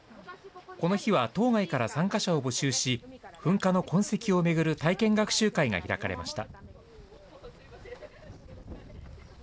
この日は島外から参加者を募集し、噴火の痕跡を巡る体験学習会が開かれました。